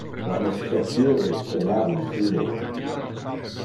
Vamos sortir e cenar insimul un die.